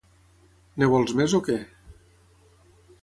En vols més o què?